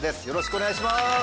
よろしくお願いします。